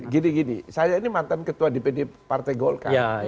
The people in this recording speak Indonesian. gini gini saya ini mantan ketua dpd partai golkar